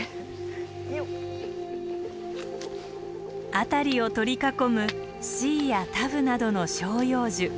辺りを取り囲むシイやタブなどの照葉樹。